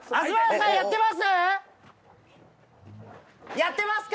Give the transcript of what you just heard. やってますか？